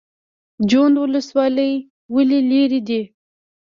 جوند ولسوالۍ ولې لیرې ده؟